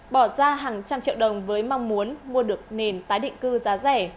bỏ ra hàng trăm triệu đồng với mong muốn mua được nền tái định cư giá rẻ